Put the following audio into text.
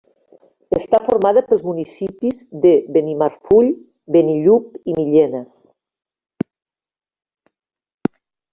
Està formada pels municipis de Benimarfull, Benillup, i Millena.